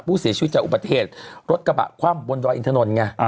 ผู้เสียชีวิตจากอุปเทศรถกระบะคว่ำบนดอยอิทธานนทร์ไง